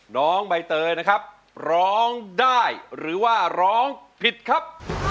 น้องใบเตยนะครับร้องได้หรือว่าร้องผิดครับ